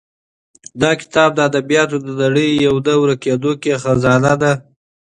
دا کتاب د ادبیاتو د نړۍ یوه نه ورکېدونکې خزانه ده.